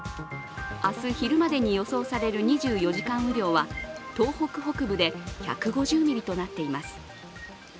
明日、昼までに予想される２４時間雨量は東北北部で１５０ミリとなっています。